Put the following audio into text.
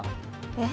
え？